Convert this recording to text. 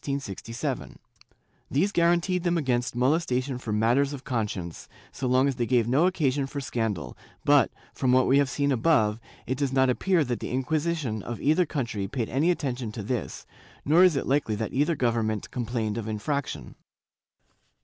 ^ These guaranteed them against molestation for matters of con science, so long as they gave no occasion for scandal, but, from what we have seen above, it does not appear that the Inquisition of either country paid any attention to this, nor is it likely that either government complained of infraction.